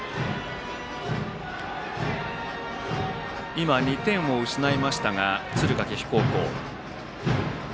今、２点を失った敦賀気比高校。